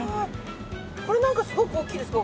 これなんかすごく大きいですけど。